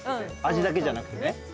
味だけじゃなくてね。